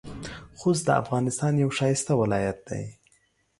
خوست د افغانستان یو ښایسته ولایت دی.